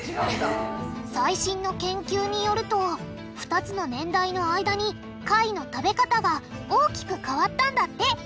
最新の研究によると２つの年代の間に貝の食べ方が大きく変わったんだって。